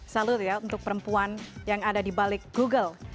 salut ya untuk perempuan yang ada di balik google